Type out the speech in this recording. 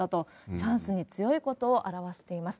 チャンスに強いことを表しています。